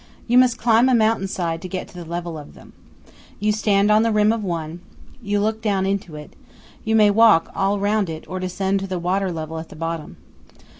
You must climb a mountain side to get to the level of them. You stand on the rim of one; you look down into it; you may walk all round it; or descend to the water level at the bottom.